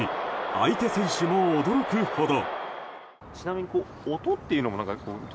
相手選手も驚くほど。